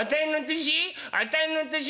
「あたいの年？